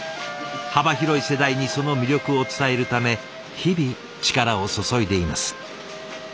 幅広い世代にその魅力を伝えるため日々力を注いでいます。